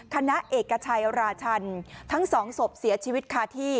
คณะเอกชัยราชันทั้งสองศพเสียชีวิตคาที่